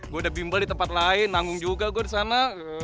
gue udah bimbel di tempat lain nanggung juga gue di sana